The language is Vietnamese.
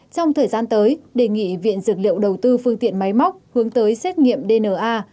trong thời gian tới đề nghị viện dược liệu đầu tư phương tiện máy móc hướng tới xét nghiệm dna